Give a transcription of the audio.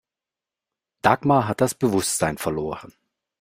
Dagmar hat das Bewusstsein verloren.